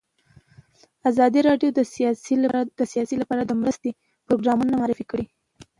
ازادي راډیو د سیاست لپاره د مرستو پروګرامونه معرفي کړي.